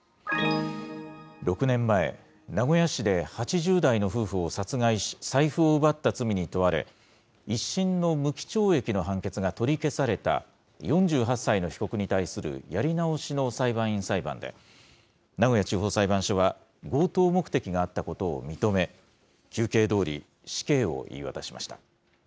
６年前、名古屋市で８０代の夫婦を殺害し、財布を奪った罪に問われ、１審の無期懲役の判決が取り消された、４８歳の被告に対するやり直しの裁判員裁判で、名古屋地方裁判所は強盗目的があったことを認め、求刑どおり死刑を言い渡しました。